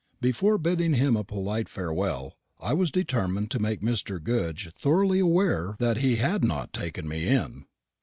Before bidding him a polite farewell, I was determined to make Mr. Goodge thoroughly aware that he had not taken me in.